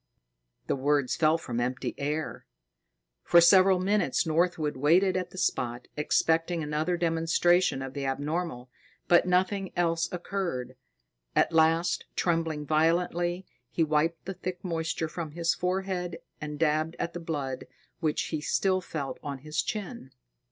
The words fell from empty air. For several minutes, Northwood waited at the spot, expecting another demonstration of the abnormal, but nothing else occurred. At last, trembling violently, he wiped the thick moisture from his forehead and dabbed at the blood which he still felt on his chin.